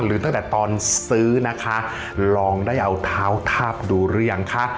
ตั้งแต่ตอนซื้อนะคะลองได้เอาเท้าทาบดูหรือยังคะ